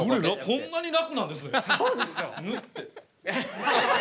こんなに楽なんですね。